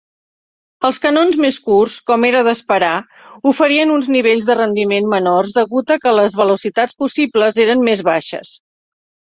Els canons més curts, com era d'esperar, oferien uns nivells de rendiment menors degut a que les velocitats possibles eren més baixes.